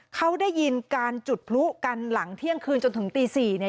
เขาได้ยินการจุดพลุกันหลังเที่ยงคืนจนถึงตี๔เนี่ย